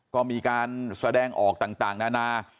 ก็มีการแสดงออกต่างนานา